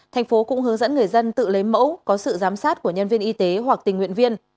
thành phố cũng hướng dẫn người dân tự lấy mẫu có sự giám sát của nhân viên y tế hoặc tình nguyện viên